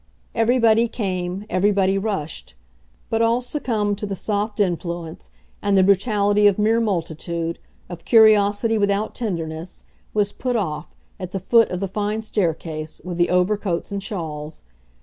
Everybody came, everybody rushed; but all succumbed to the soft influence, and the brutality of mere multitude, of curiosity without tenderness, was put off, at the foot of the fine staircase, with the overcoats and shawls.